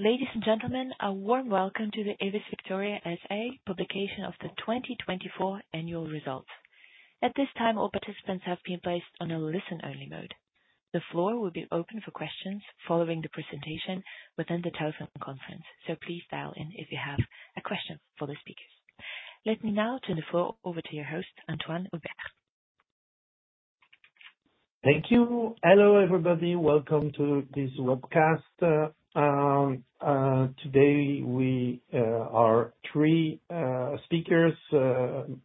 Ladies and gentlemen, a warm welcome to the AEVIS VICTORIA SA publication of the 2024 annual results. At this time, all participants have been placed on a listen-only mode. The floor will be open for questions following the presentation within the telephone conference, please dial in if you have a question for the speakers. Let me now turn the floor over to your host, Antoine Hubert. Thank you. Hello, everybody. Welcome to this webcast. Today we are three speakers,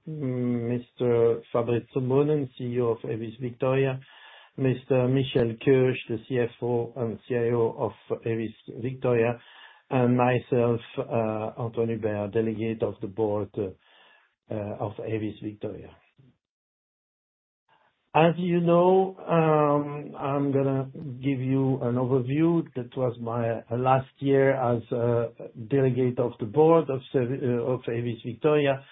Mr. Fabrice Zumbrunnen, CEO of AEVIS VICTORIA, Mr. Michel Keusch, the CFO and CIO of AEVIS VICTORIA, and myself, Antoine Hubert, delegate of the board of AEVIS VICTORIA. As you know, I'm going to give you an overview. That was my last year as a delegate of the board of AEVIS VICTORIA.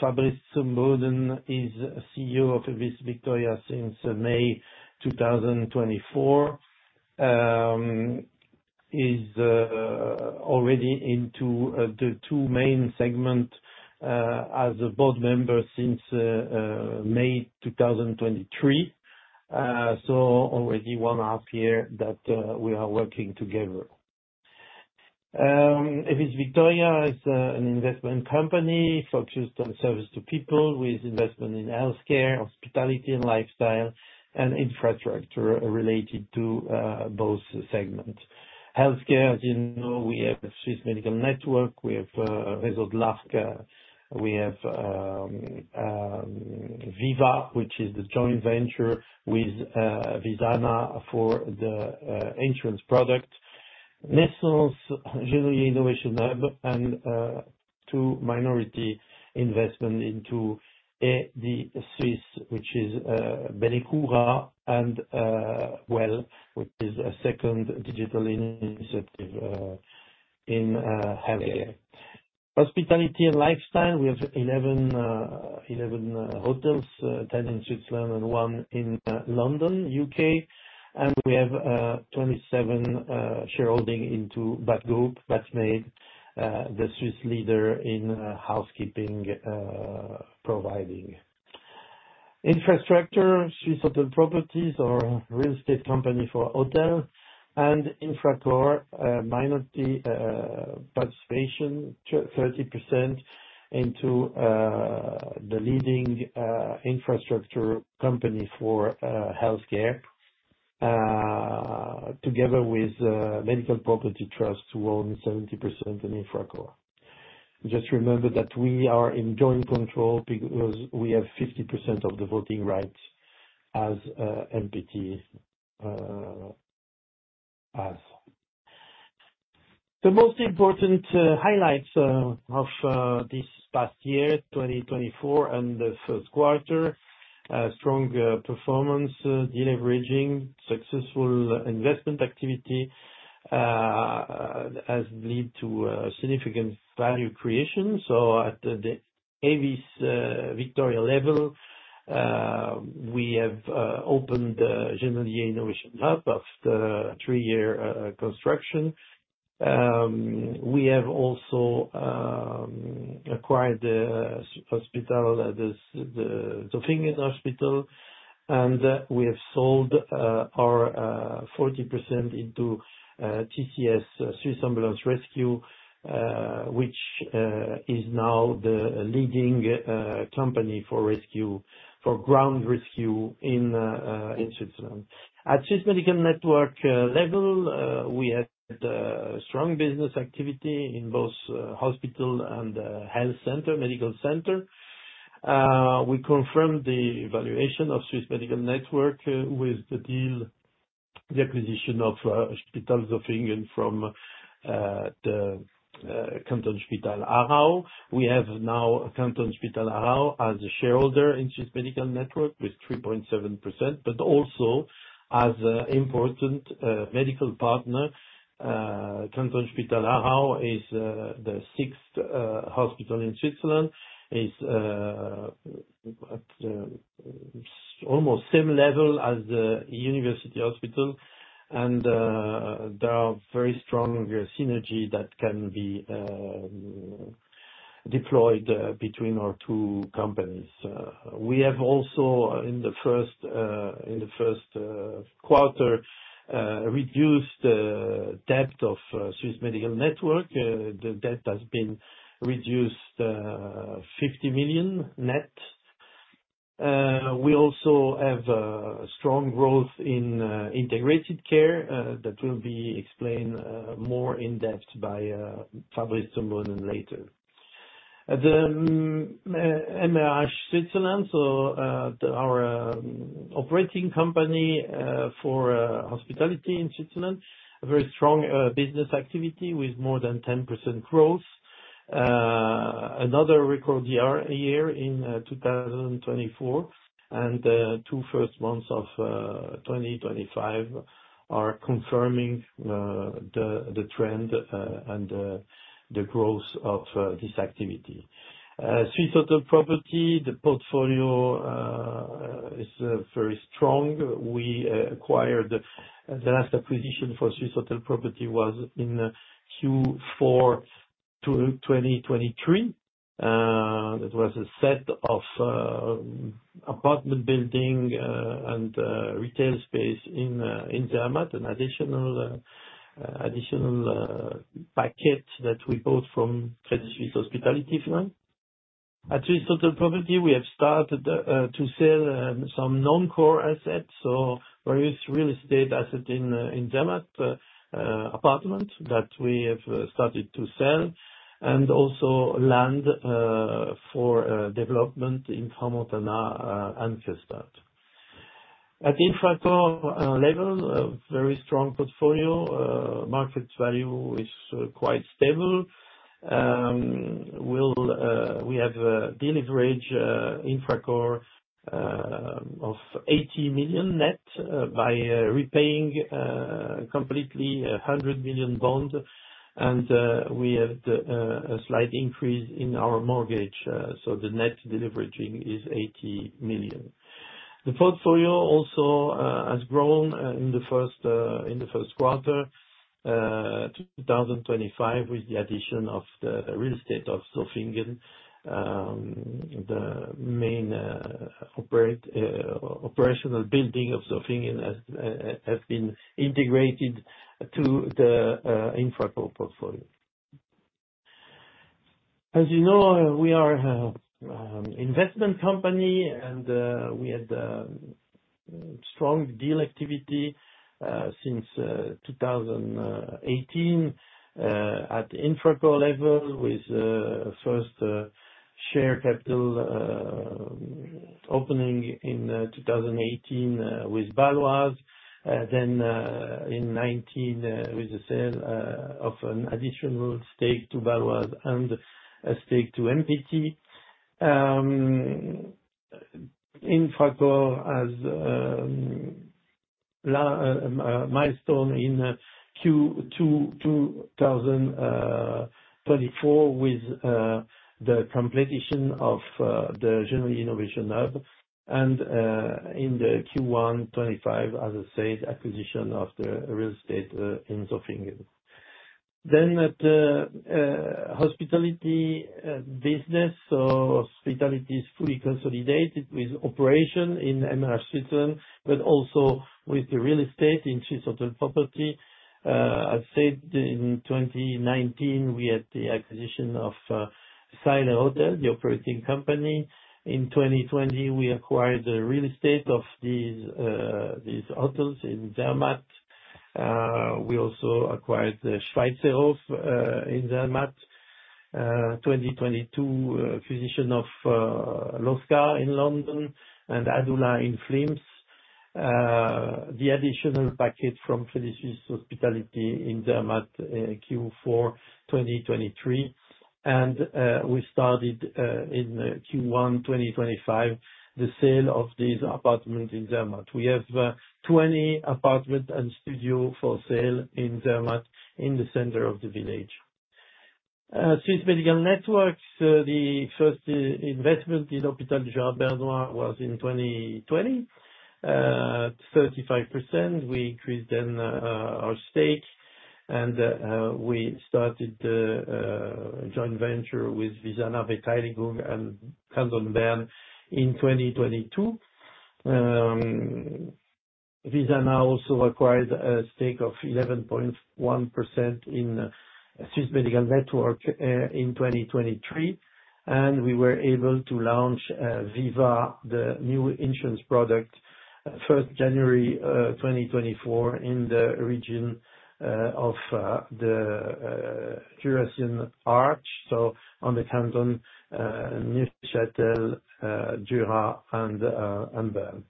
Fabrice Zumbrunnen is CEO of AEVIS VICTORIA since May 2024. Is already into the two main segment, as a board member since May 2023. Already one half year that we are working together. AEVIS VICTORIA is an investment company focused on service to people with investment in healthcare, hospitality and lifestyle, and infrastructure related to both segments. Healthcare, as you know, we have Swiss Medical Network, we have Réseau de l'Arc, we have Viva, which is the joint venture with Visana for the insurance product. Nestlé Health Science Innovation Hub, two minority investment into AD Swiss, which is Bellecura, and Well, which is a second digital initiative in healthcare. Hospitality and lifestyle, we have 11 hotels, 10 in Switzerland and one in London, U.K. We have 27 shareholding into BAT Group. Batmaid the Swiss leader in housekeeping providing. Infrastructure, Swiss Hotel Properties, our real estate company for hotel, and Infracore, minority participation, 30% into the leading infrastructure company for healthcare, together with Medical Properties Trust, who own 70% in Infracore. Just remember that we are in joint control because we have 50% of the voting rights as MPT has. The most important highlights of this past year, 2024, and the first quarter, strong performance, deleveraging, successful investment activity has lead to significant value creation. At the AEVIS VICTORIA level, we have opened the Genolier Innovation Hub after a three-year construction. We have also acquired the Spital Zofingen, we have sold our 40% into TCS Swiss Ambulance Rescue, which is now the leading company for ground rescue in Switzerland. At Swiss Medical Network level, we had a strong business activity in both hospital and health medical center. We confirmed the valuation of Swiss Medical Network with the deal, the acquisition of Spital Zofingen from the Kantonsspital Aarau. We have now Kantonsspital Aarau as a shareholder in Swiss Medical Network with 3.7%, but also as an important medical partner. Kantonsspital Aarau is the sixth hospital in Switzerland. It's almost same level as the university hospital. There are very strong synergy that can be deployed between our two companies. We have also, in the first quarter, reduced debt of Swiss Medical Network. The debt has been reduced 50 million net. We also have a strong growth in integrated care that will be explained more in-depth by Fabrice Zumbrunnen later. The MRH Switzerland, so our operating company for hospitality in Switzerland, a very strong business activity with more than 10% growth. Another record year in 2024, and the two first months of 2025 are confirming the trend and the growth of this activity. Swiss Hotel Properties, the portfolio is very strong. The last acquisition for Swiss Hotel Properties was in Q4 2023. That was a set of apartment building and retail space in Zermatt, an additional package that we bought from Credit Suisse Hospitality. At Swiss Hotel Properties, we have started to sell some non-core assets, so various real estate assets in Zermatt, apartments that we have started to sell, and also land for development in Crans-Montana and Gstaad. At Infracore level, very strong portfolio. Market value is quite stable. We have deleveraged Infracore of 80 million net by repaying completely 100 million bond, and we have a slight increase in our mortgage, so the net deleveraging is 80 million. The portfolio also has grown in the first quarter 2025 with the addition of the real estate of Zofingen. The main operational building of Zofingen has been integrated to the Infracore portfolio. As you know, we are an investment company, and we had strong deal activity since 2018 at Infracore level, with first share capital opening in 2018 with Baloise, then in 2019, with the sale of an additional stake to Baloise and a stake to MPT. Infracore has a milestone in Q2 2024 with the completion of the Genolier Innovation Hub, and in Q1 2025, as I said, acquisition of the real estate in Zofingen. At the hospitality business. Hospitality is fully consolidated with operation in MRH Switzerland, but also with the real estate in Swiss Hotel Properties. As said, in 2019, we had the acquisition of Seiler Hotels, the operating company. In 2020, we acquired the real estate of these hotels in Zermatt. We also acquired the Schweizerhof in Zermatt. 2022, acquisition of L'oscar in London and Adula in Flims. The additional package from Credit Suisse Hospitality in Zermatt, Q4 2023. We started in Q1 2025, the sale of these apartments in Zermatt. We have 20 apartments and studios for sale in Zermatt, in the center of the village. Swiss Medical Network, the first investment in Hôpital Jean Bernard was in 2020, 35%. We increased then our stake, and we started a joint venture with Visana Versicherungen and Canton Bern in 2022. Visana also acquired a stake of 11.1% in Swiss Medical Network in 2023. We were able to launch Viva, the new insurance product, 1st January 2024 in the region of the Jura Arc, so on the Canton Neuchâtel, Jura, and Bern.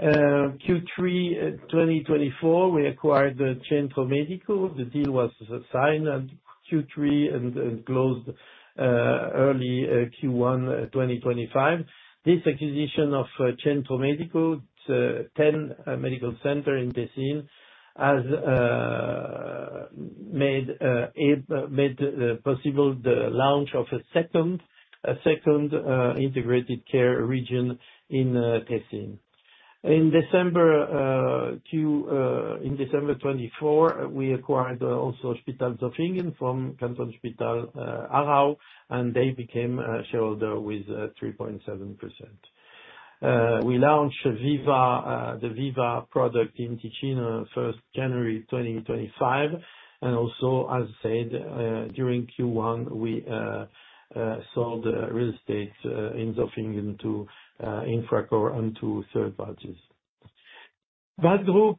Q3 2024, we acquired the Centro Medico. The deal was signed at Q3 and closed early Q1 2025. This acquisition of Centro Medico, 10 medical centers in Ticino, has made possible the launch of a second integrated care region in Ticino. In December 2024, we acquired also Spital Zofingen from Kantonsspital Aarau, and they became a shareholder with 3.7%. We launched the Viva product in Ticino 1st January 2025, and also, as said, during Q1, we sold real estate in Zofingen to Infracore and to third parties. BAT Group,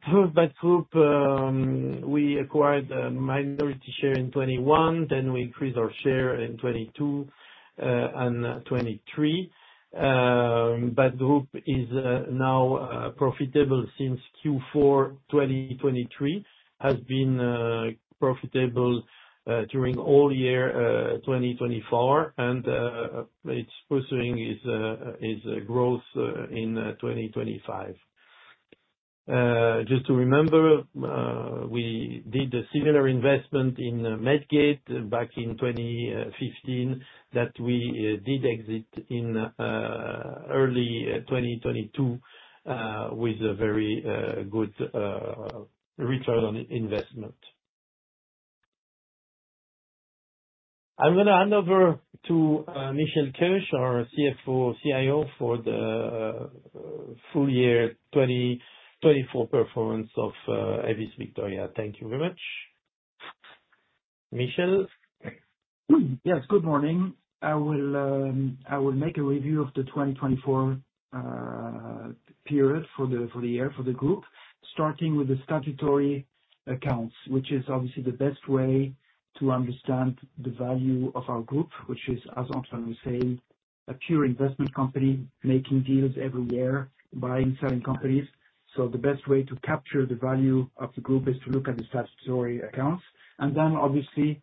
we acquired a minority share in 2021, then we increased our share in 2022 and 2023. BAT Group is now profitable since Q4 2023. It has been profitable during all year 2024. It's pursuing its growth in 2025. Just to remember, we did a similar investment in Medgate back in 2015, that we did exit in early 2022, with a very good return on investment. I'm going to hand over to Michel Keusch, our CFO CIO for the full year 2024 performance of AEVIS VICTORIA. Thank you very much. Michel? Yes. Good morning. I will make a review of the 2024 period for the year for the group, starting with the statutory accounts, which is obviously the best way to understand the value of our group, which is, as Antoine was saying, a pure investment company making deals every year, buying, selling companies. The best way to capture the value of the group is to look at the statutory accounts. Then obviously,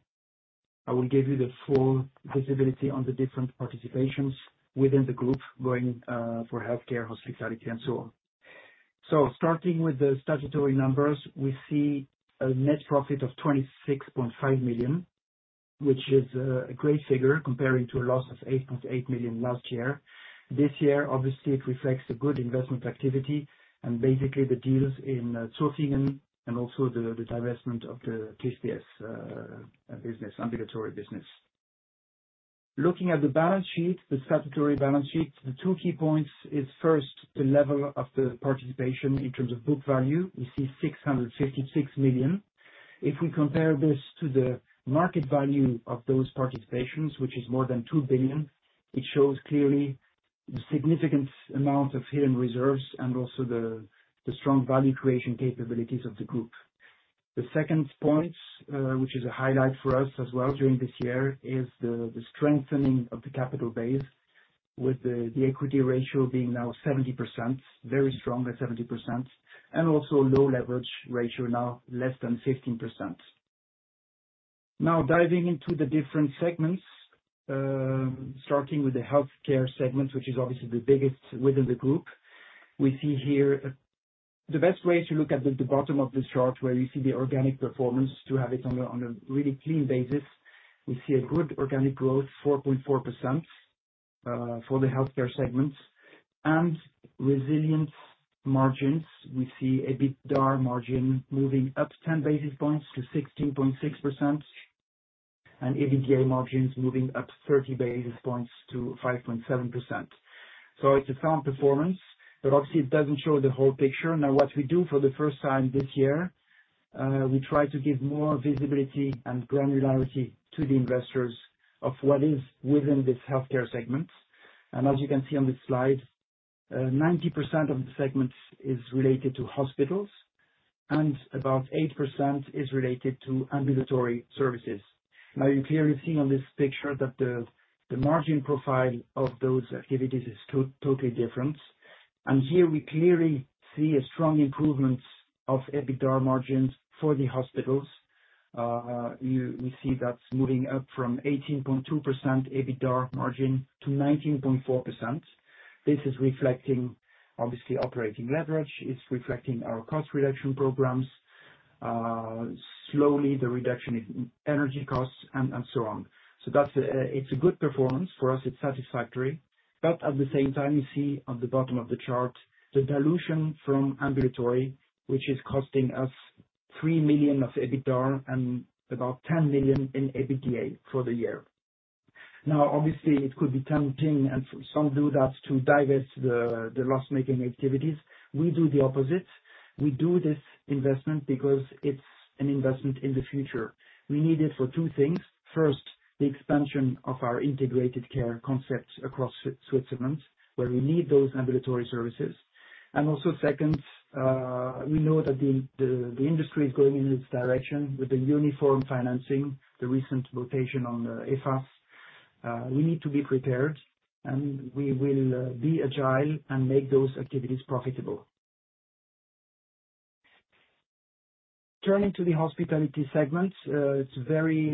I will give you the full visibility on the different participations within the group going for healthcare, hospitality, and so on. Starting with the statutory numbers, we see a net profit of 26.5 million, which is a great figure comparing to a loss of 8.8 million last year. This year, obviously, it reflects the good investment activity and basically the deals in Switzerland and also the divestment of the TCS business, ambulatory business. Looking at the balance sheet, the statutory balance sheet, the two key points is first the level of the participation in terms of book value. We see 656 million. If we compare this to the market value of those participations, which is more than 2 billion, it shows clearly the significant amount of hidden reserves and also the strong value creation capabilities of the group. The second point, which is a highlight for us as well during this year, is the strengthening of the capital base with the equity ratio being now 70%, very strong at 70%, and also low leverage ratio, now less than 15%. Diving into the different segments, starting with the healthcare segment, which is obviously the biggest within the group. We see here the best way to look at the bottom of this chart, where you see the organic performance to have it on a really clean basis. We see a good organic growth, 4.4%, for the healthcare segment and resilient margins. We see a EBITDA margin moving up 10 basis points to 16.6%, and EBDA margins moving up 30 basis points to 5.7%. It's a sound performance, but obviously it doesn't show the whole picture. What we do for the first time this year, we try to give more visibility and granularity to the investors of what is within this healthcare segment. As you can see on this slide, 90% of the segment is related to hospitals and about 8% is related to ambulatory services. You clearly see on this picture that the margin profile of those activities is totally different. Here we clearly see a strong improvement of EBITDA margins for the hospitals. We see that moving up from 18.2% EBITDA margin to 19.4%. This is reflecting obviously operating leverage. It's reflecting our cost reduction programs, slowly the reduction in energy costs and so on. It's a good performance. For us, it's satisfactory. At the same time, you see on the bottom of the chart the dilution from ambulatory, which is costing us 3 million of EBITDA and about 10 million in EBITDA for the year. Obviously it could be tempting and some do that to divest the loss-making activities. We do the opposite. We do this investment because it's an investment in the future. We need it for two things. First, the expansion of our integrated care concept across Switzerland where we need those ambulatory services. Also second, we know that the industry is going in this direction with the uniform financing, the recent votation on the EFAS. We need to be prepared, and we will be agile and make those activities profitable. Turning to the hospitality segment. It's very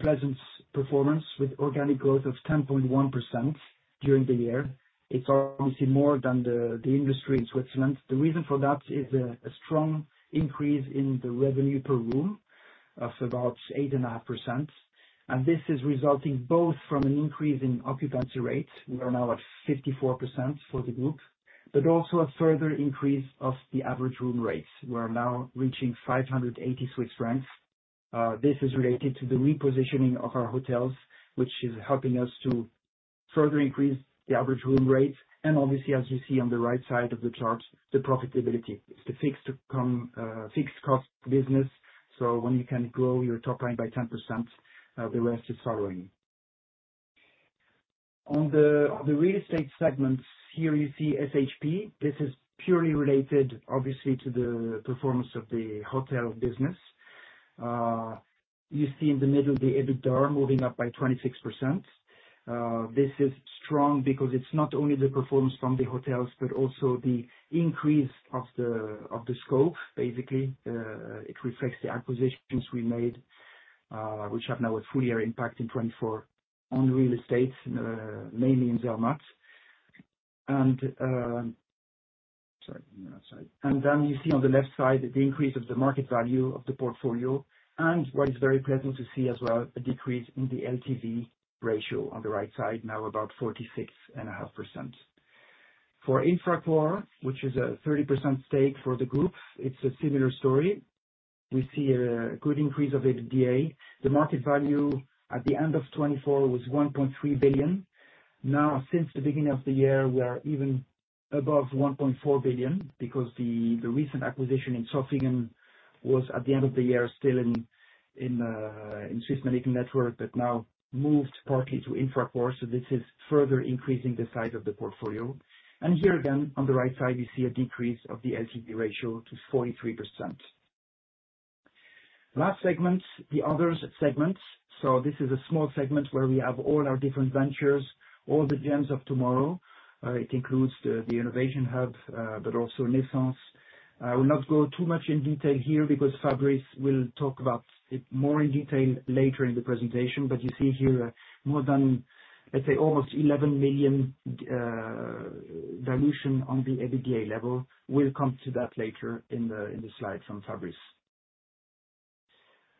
pleasant performance with organic growth of 10.1% during the year. It's obviously more than the industry in Switzerland. The reason for that is a strong increase in the revenue per room of about 8.5%. This is resulting both from an increase in occupancy rate. We are now at 54% for the group, but also a further increase of the average room rates. We are now reaching 580 Swiss francs. This is related to the repositioning of our hotels, which is helping us to further increase the average room rates. Obviously, as you see on the right side of the chart, the profitability. It's a fixed cost business, so when you can grow your top line by 10%, the rest is following. On the real estate segments, here you see SHP. This is purely related, obviously, to the performance of the hotel business. You see in the middle the EBITDA moving up by 26%. This is strong because it's not only the performance from the hotels, but also the increase of the scope. Basically, it reflects the acquisitions we made, which have now a full year impact in 2024 on real estate, mainly in Zermatt. Then you see on the left side the increase of the market value of the portfolio and what is very pleasant to see as well, a decrease in the LTV ratio on the right side now about 46.5%. For Infracore, which is a 30% stake for the group, it's a similar story. We see a good increase of EBITDA. The market value at the end of 2024 was 1.3 billion. Since the beginning of the year, we are even above 1.4 billion, because the recent acquisition in Zofingen was at the end of the year, still in Swiss Medical Network, but now moved partly to Infracore, so this is further increasing the size of the portfolio. Here again, on the right side, you see a decrease of the LTV ratio to 43%. Last segment, the others segment. This is a small segment where we have all our different ventures, all the gems of tomorrow. It includes the Innovation Hub, but also Nescens. I will not go too much in detail here because Fabrice will talk about it more in detail later in the presentation. You see here, more than, let's say, almost 11 million dilution on the EBITDA level. We will come to that later in the slides from Fabrice.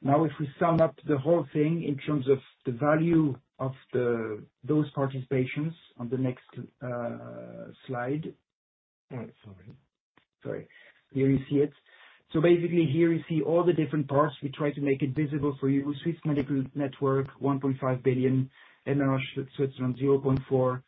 If we sum up the whole thing in terms of the value of those participations on the next slide. Sorry. Here you see it. Here you see all the different parts. We try to make it visible for you. Swiss Medical Network, 1.5 billion. MRH Switzerland, 0.4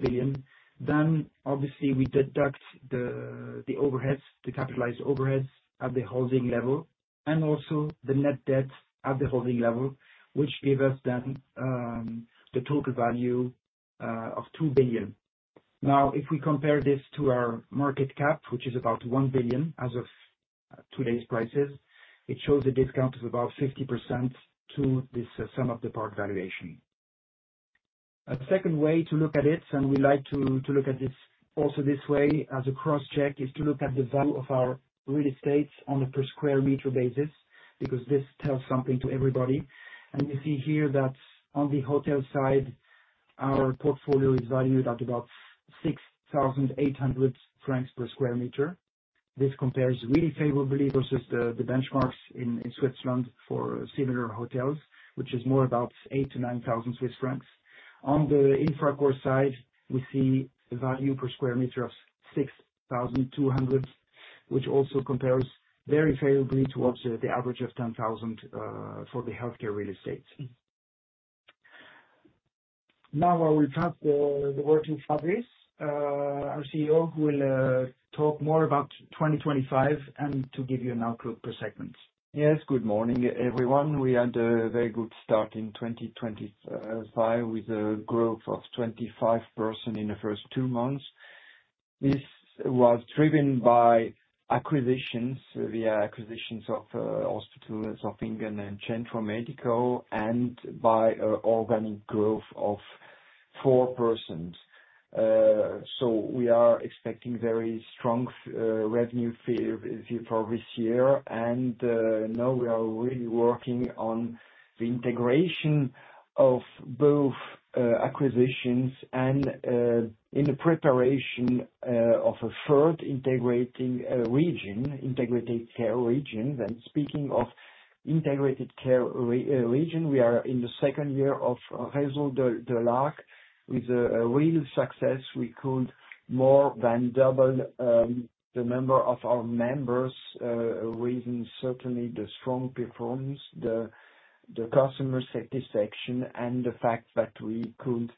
billion. Swiss Hotel Properties, 0.4 billion. Infracore, 0.2 billion. We deduct the capitalized overheads at the holding level and also the net debt at the holding level, which give us the total value of 2 billion. If we compare this to our market cap, which is about 1 billion as of today's prices, it shows a discount of about 50% to this sum of the part valuation. A second way to look at it, and we like to look at this also this way as a cross-check, is to look at the value of our real estates on a per square meter basis, because this tells something to everybody. You see here that on the hotel side, our portfolio is valued at about 6,800 francs per square meter. This compares really favorably versus the benchmarks in Switzerland for similar hotels, which is more about 8,000-9,000 Swiss francs. On the Infracore side, we see a value per square meter of 6,200, which also compares very favorably towards the average of 10,000 for the healthcare real estate. I will pass the word to Fabrice, our CEO, who will talk more about 2025 and to give you an outlook per segment. Yes, good morning, everyone. We had a very good start in 2025 with a growth of 25% in the first two months. This was driven by acquisitions, via acquisitions of hospitals, Zofingen and Centro Medico, and by organic growth of 4%. We are expecting very strong revenue for this year. We are really working on the integration of both acquisitions and in the preparation of a third integrated care region. Speaking of integrated care region, we are in the second year of Réseau de l'Arc with a real success. We could more than double the number of our members, raising certainly the strong performance, the customer satisfaction, and the fact that we could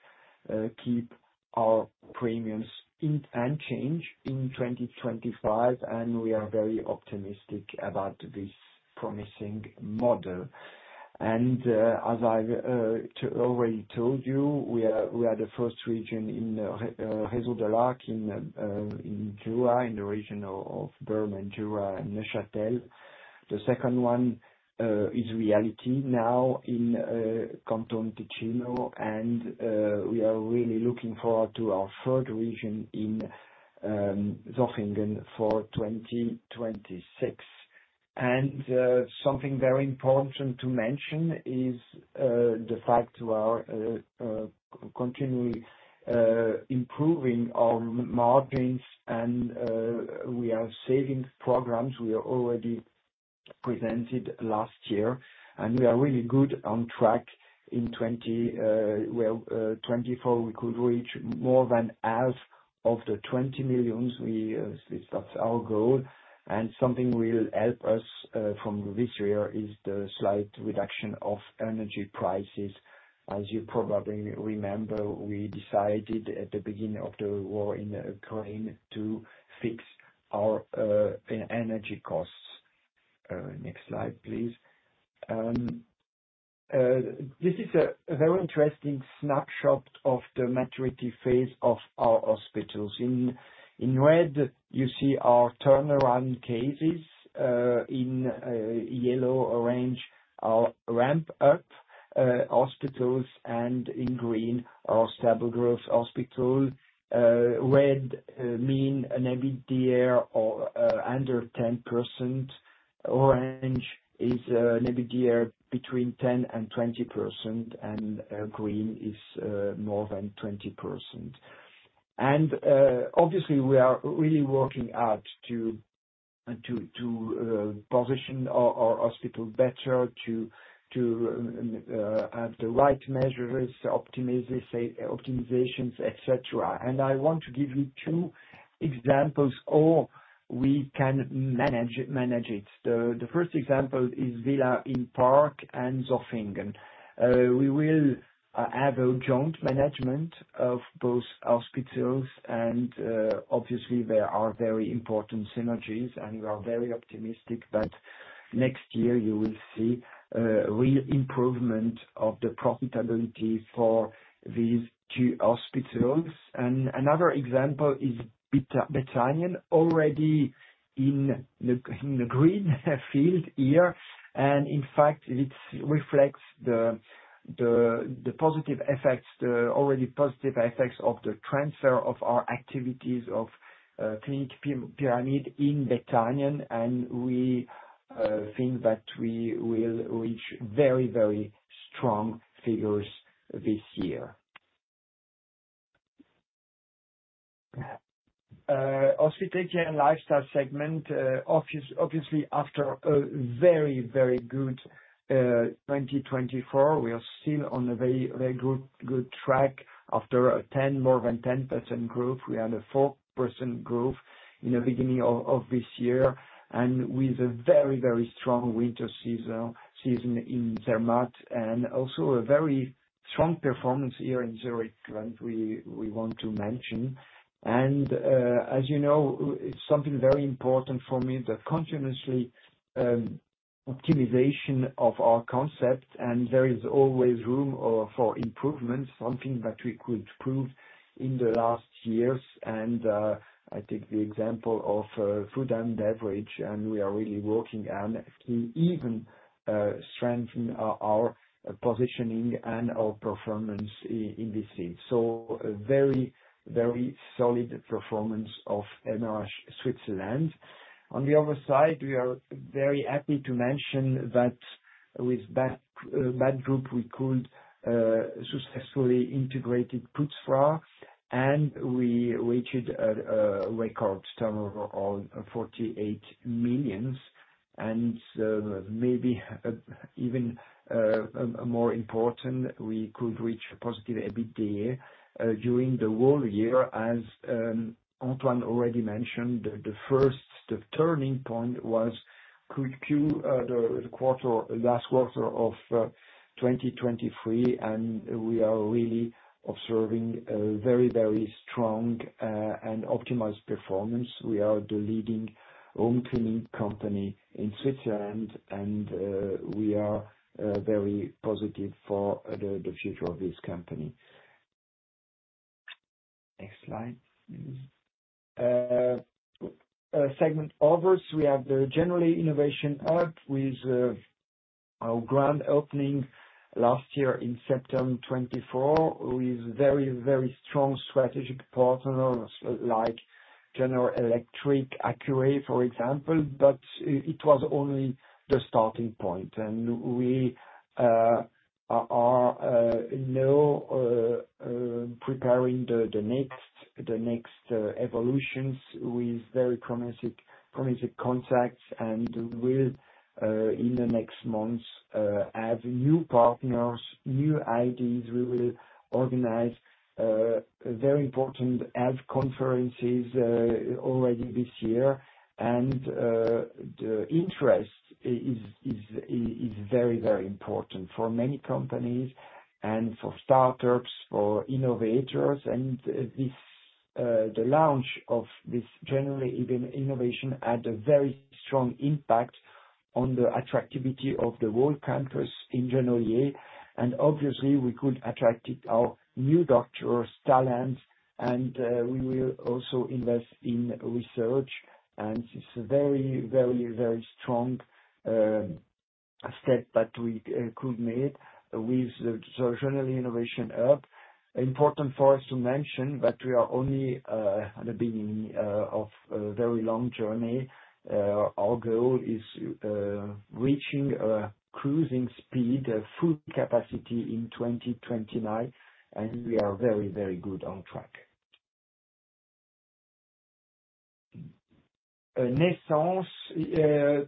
keep our premiums unchanged in 2025. We are very optimistic about this promising model. As I have already told you, we are the first region in the Réseau de l'Arc in Jura, in the region of Bern, Jura, and Neuchâtel. The second one is reality now in Canton Ticino, and we are really looking forward to our third region in Zofingen for 2026. Something very important to mention is the fact we are continually improving our margins, and we are saving programs we have already presented last year, and we are really good on track in 2024. We could reach more than half of the 20 million. That is our goal. Something will help us from this year is the slight reduction of energy prices. As you probably remember, we decided at the beginning of the war in Ukraine to fix our energy costs. Next slide, please. This is a very interesting snapshot of the maturity phase of our hospitals. In red, you see our turnaround cases. In yellow or orange, our ramp-up hospitals, and in green, our stable growth hospitals. Red means an EBITDA under 10%. Orange is an EBITDA between 10% and 20%, and green is more than 20%. Obviously we are really working hard to position our hospital better to have the right measures, optimizations, et cetera. I want to give you two examples how we can manage it. The first example is Villa im Park and Zofingen. We will have a joint management of both hospitals. Obviously there are very important synergies and we are very optimistic that next year you will see a real improvement of the profitability for these two hospitals. Another example is Bethanien, already in the green field here. In fact, it reflects the already positive effects of the transfer of our activities of Klinik Pyramide in Bethanien. We think that we will reach very strong figures this year. Hospitality and lifestyle segment, obviously after a very good 2024, we are still on a very good track after more than 10% growth. We had a 4% growth in the beginning of this year, with a very strong winter season in Zermatt and also a very strong performance here in Zurich that we want to mention. As you know, it's something very important for me, the continuous optimization of our concept. There is always room for improvement, something that we could prove in the last years. I take the example of food and beverage. We are really working on to even strengthen our positioning and our performance in this scene. A very solid performance of MRH Switzerland. On the other side, we are very happy to mention that with Batgroup, we could successfully integrate Putzfrau, and we reached a record turnover of 48 million. Maybe even more important, we could reach positive EBITDA during the whole year. As Antoine already mentioned, the first turning point was Q4, the last quarter of 2023. We are really observing a very strong and optimized performance. We are the leading home cleaning company in Switzerland. We are very positive for the future of this company. Next slide. Segment others, we have the Genolier Innovation Hub with our grand opening last year in September 2024, with very strong strategic partners like General Electric, Accuray, for example. It was only the starting point. We are now preparing the next evolutions with very promising contacts. We'll, in the next months, have new partners, new ideas. We will organize very important hub conferences already this year. The interest is very important for many companies and for startups, for innovators. The launch of this Genolier Innovation had a very strong impact on the attractivity of the whole campus in Genolier. Obviously we could attract our new doctors, talents. We will also invest in research. It's a very strong step that we could make with the Genolier Innovation Hub. Important for us to mention that we are only at the beginning of a very long journey. Our goal is reaching a cruising speed, a full capacity in 2029. We are very good on track. Nescens.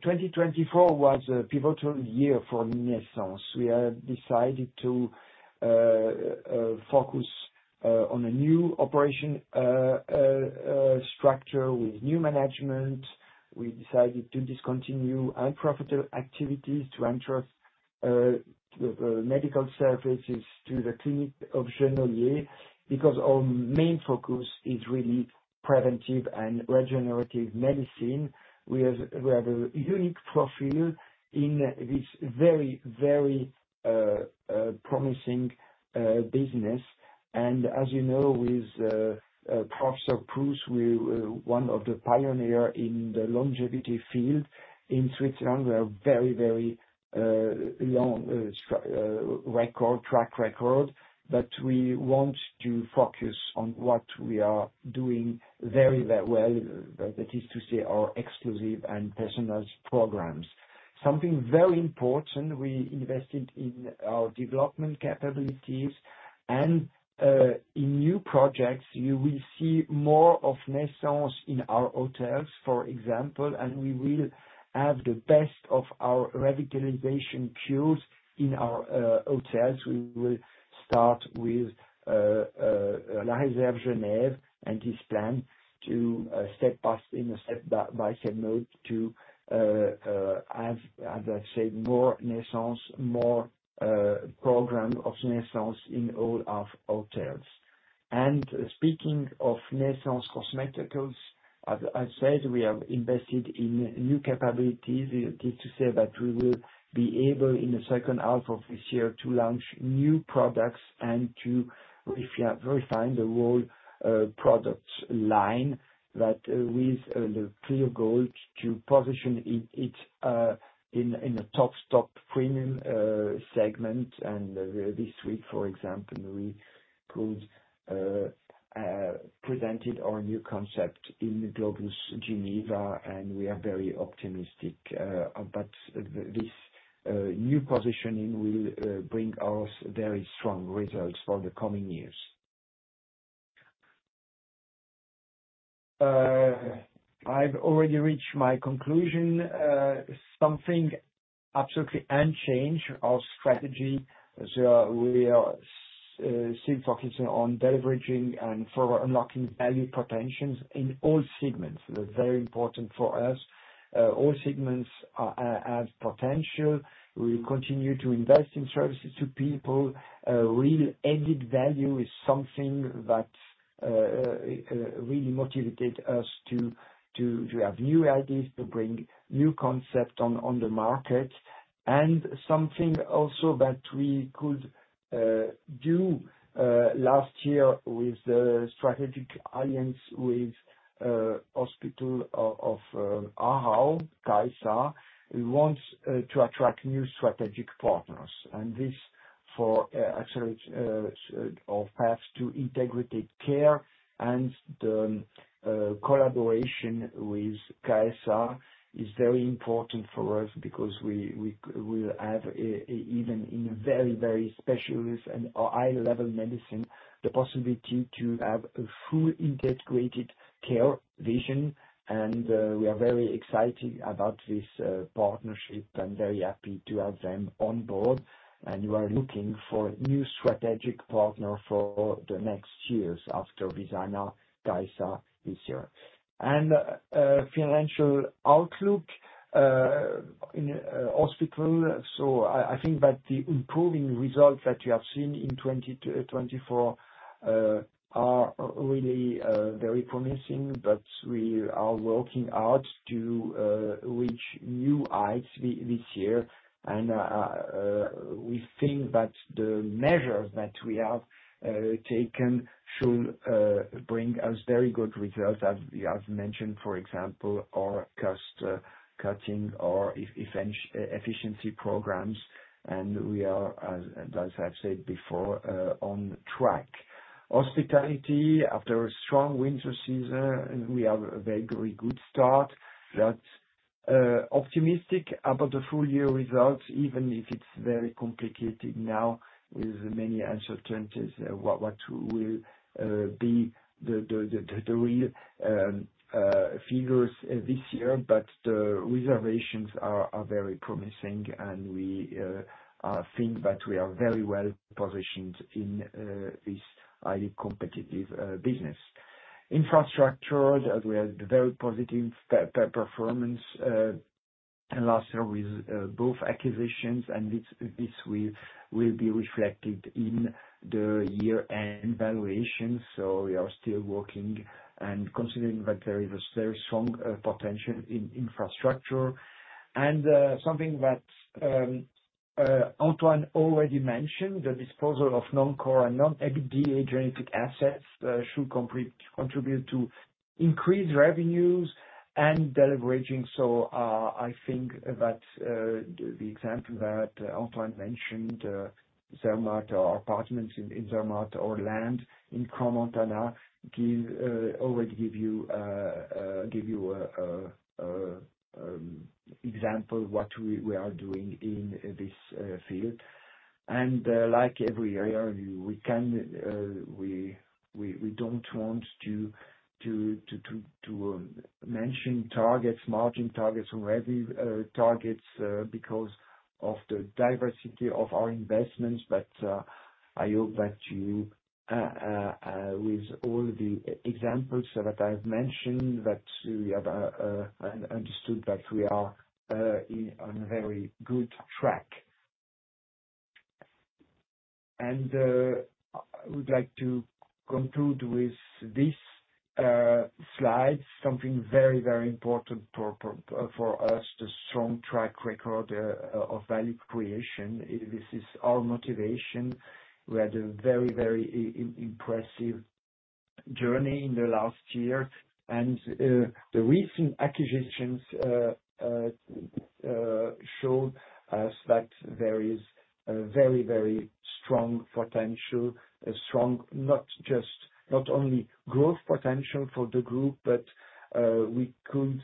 2024 was a pivotal year for Nescens. We have decided to focus on a new operation structure with new management. We decided to discontinue unprofitable activities to entrust the medical services to the clinic of Genolier, because our main focus is really preventive and regenerative medicine. We have a unique profile in this very promising business. As you know, with François Pralong, one of the pioneer in the longevity field in Switzerland, we have very long track record. We want to focus on what we are doing very well, that is to say, our exclusive and personalized programs. Something very important, we invested in our development capabilities and in new projects. You will see more of Nescens in our hotels, for example, and we will have the best of our revitalization cures in our hotels. We will start with La Réserve Genève and this plan to step by step mode to have, as I said, more Nescens, more program of Nescens in all our hotels. Speaking of Nescens Cosmeceuticals, as I said, we have invested in new capabilities. This is to say that we will be able, in the second half of this year, to launch new products and to, if you have verified the whole product line, that with the clear goal to position it in a top premium segment. This week, for example, we presented our new concept in the Globus Geneva, and we are very optimistic that this new positioning will bring us very strong results for the coming years. I've already reached my conclusion. Something absolutely unchanged is our strategy. We are still focusing on deleveraging and further unlocking value potentials in all segments. That's very important for us. All segments have potential. We continue to invest in services to people. Real added value is something that really motivates us to have new ideas, to bring new concept on the market, and something also that we could do last year with the strategic alliance with Kantonsspital Aarau, KSA. We want to attract new strategic partners, and this for our path to integrated care. The collaboration with KSA is very important for us because we will have, even in a very specialist and high-level medicine, the possibility to have a full integrated care vision. We are very excited about this partnership and very happy to have them on board. We are looking for new strategic partner for the next years after Visana, KSA this year. The financial outlook in hospital. I think that the improving results that we have seen in 2024 are really very promising, we are working hard to reach new heights this year. We think that the measures that we have taken should bring us very good results. As mentioned, for example, our cost-cutting, our efficiency programs, and we are, as I've said before, on track. Hospitality, after a strong winter season, we have a very good start that's optimistic about the full-year results, even if it's very complicated now with many uncertainties what will be the real figures this year. The reservations are very promising, and we think that we are very well-positioned in this highly competitive business. Infrastructure, as we have developed positive performance last year with both acquisitions, and this will be reflected in the year-end valuation. We are still working and considering that there is a very strong potential in infrastructure. Something that Antoine already mentioned, the disposal of non-core and non-EBITDA-generating assets should contribute to increased revenues and deleveraging. I think that the example that Antoine mentioned, Zermatt, our apartments in Zermatt or land in Crans-Montana, already give you an example of what we are doing in this field. Like every year, we don't want to mention targets, margin targets or revenue targets, because of the diversity of our investments. I hope that you, with all the examples that I've mentioned, that you have understood that we are on a very good track. I would like to conclude with this slide. Something very important for us, the strong track record of value creation. This is our motivation. We had a very impressive journey in the last year, the recent acquisitions showed us that there is a very strong potential. A strong not only growth potential for the group, We could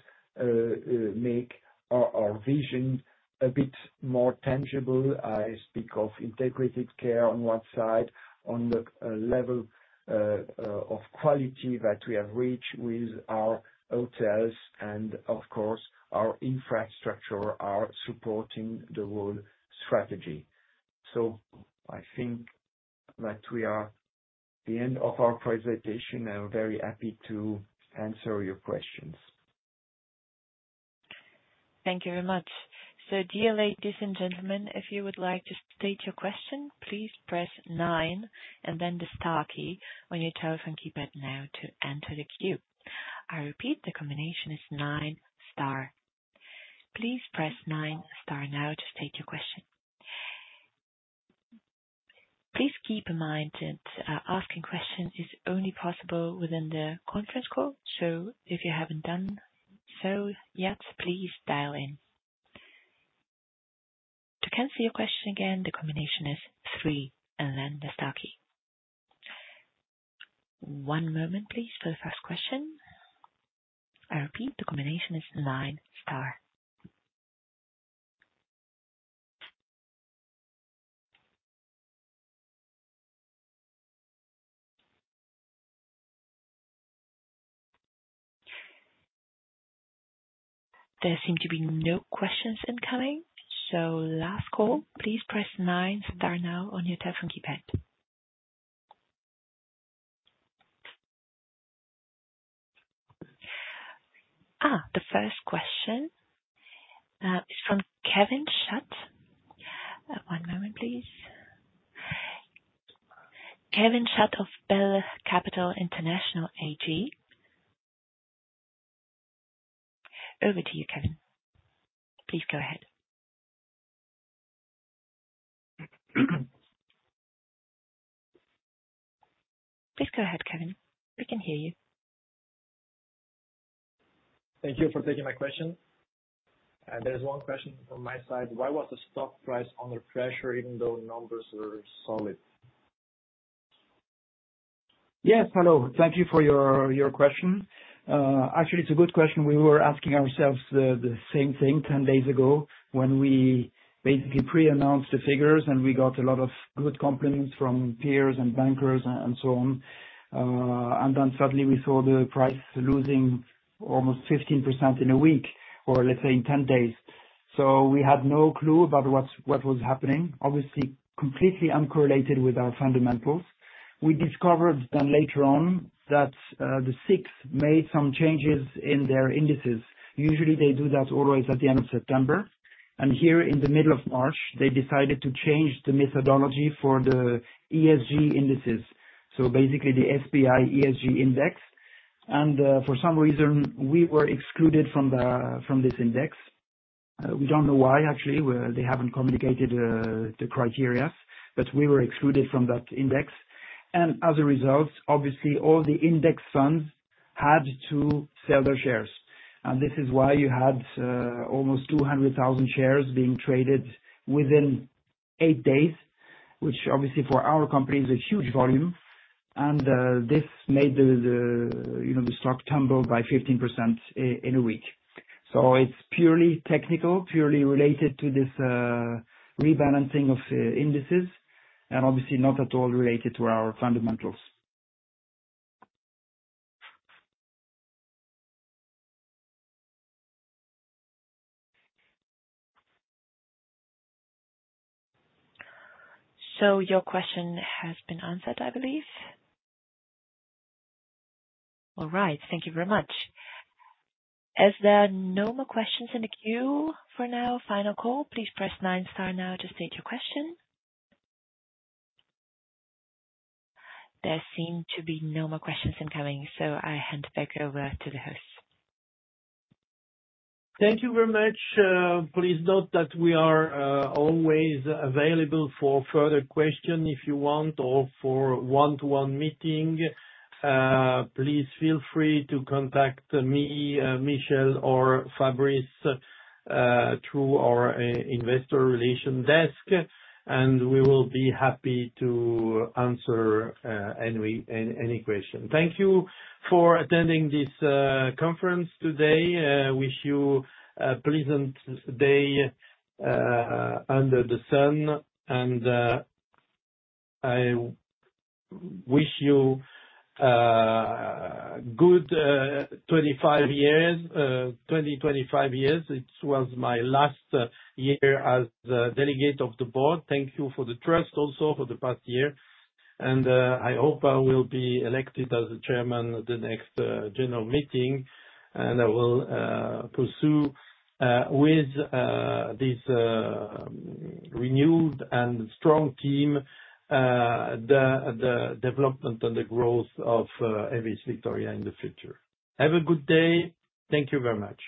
make our vision a bit more tangible. I speak of integrated care on one side, on the level of quality that we have reached with our hotels and, of course, our infrastructure are supporting the whole strategy. I think that we are at the end of our presentation. I'm very happy to answer your questions. Thank you very much. Dear ladies and gentlemen, if you would like to state your question, please press nine and then the star key on your telephone keypad now to enter the queue. I repeat, the combination is nine star. Please press nine star now to state your question. Please keep in mind that asking questions is only possible within the conference call. If you haven't done so yet, please dial in. To cancel your question again, the combination is three and then the star key. One moment please for the first question. I repeat, the combination is nine star. There seem to be no questions incoming. Last call, please press nine star now on your telephone keypad. Ah, the first question, is from Kevin Shutt. One moment, please. Kevin Shutt of Beller Capital International AG. Over to you, Kevin. Please go ahead. Please go ahead, Kevin. We can hear you. Thank you for taking my question. There's one question from my side. Why was the stock price under pressure even though numbers were solid? Yes, hello. Thank you for your question. Actually, it's a good question. We were asking ourselves the same thing 10 days ago when we basically pre-announced the figures. We got a lot of good compliments from peers and bankers and so on. Suddenly we saw the price losing almost 15% in a week, or let's say in 10 days. We had no clue about what was happening, obviously completely uncorrelated with our fundamentals. We discovered later on that the SIX made some changes in their indices. Usually, they do that always at the end of September. Here in the middle of March, they decided to change the methodology for the ESG indices. Basically the SPI ESG index. For some reason, we were excluded from this index. We don't know why, actually. They haven't communicated the criteria. We were excluded from that index. As a result, obviously, all the index funds had to sell their shares. This is why you had almost 200,000 shares being traded within 8 days, which obviously for our company is a huge volume. This made the stock tumble by 15% in a week. It's purely technical, purely related to this rebalancing of indices, and obviously not at all related to our fundamentals. Your question has been answered, I believe. All right. Thank you very much. As there are no more questions in the queue for now, final call, please press nine star now to state your question. There seem to be no more questions incoming. I hand back over to the host. Thank you very much. Please note that we are always available for further question if you want, or for one-to-one meeting. Please feel free to contact me, Michel or Fabrice, through our investor relation desk. We will be happy to answer any question. Thank you for attending this conference today. Wish you a pleasant day under the sun. I wish you a good 20, 25 years. It was my last year as delegate of the board. Thank you for the trust also for the past year. I hope I will be elected as the chairman at the next general meeting. I will pursue with this renewed and strong team, the development and the growth of AEVIS VICTORIA in the future. Have a good day. Thank you very much.